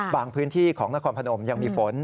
พื้นที่ของนครพนมยังมีฝน